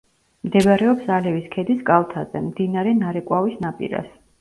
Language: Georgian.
მდებარეობს ალევის ქედის კალთაზე, მდინარე ნარეკვავის ნაპირას.